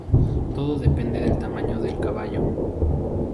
Todo depende del tamaño del caballo.